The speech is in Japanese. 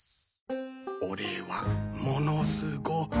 「俺はものすごく」